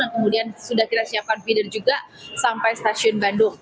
dan kemudian sudah kita siapkan feeder juga sampai stasiun bandung